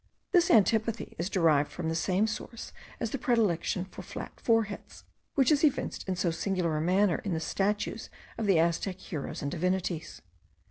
This antipathy is derived from the same source as the predilection for flat foreheads, which is evinced in so singular a manner in the statues of the Aztec heroes and divinities.